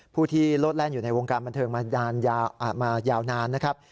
ผู้ที่โลดแล่นอยู่ในวงการบันเทิงมายาวนานนะครับ